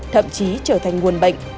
thậm chí trở thành nguồn bệnh